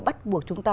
bắt buộc chúng ta